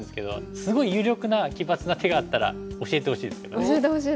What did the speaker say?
すごい有力な奇抜な手があったら教えてほしいですけどそれ使いたい。